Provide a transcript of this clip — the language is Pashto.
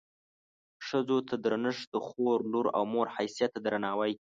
ښځو ته درنښت د خور، لور او مور حیثیت ته درناوی.